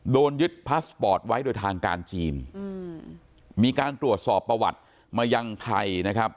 โดนยึดพาสปอร์ตไว้โดยทางการจีนอืมมีการตรวจสอบประวัติมายังไทยนะครับ